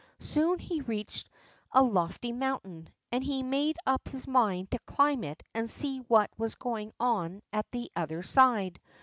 Soon he reached a lofty mountain, and he made up his mind to climb it and see what was going on at the other side.